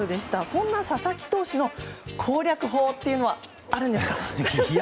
そんな佐々木投手の攻略法はあるんですか？